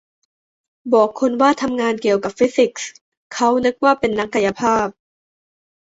บอกคนว่าทำงานเกี่ยวกับฟิสิกส์ เค้านึกว่าเป็นนักกายภาพ